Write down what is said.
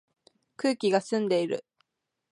空気が澄んでいる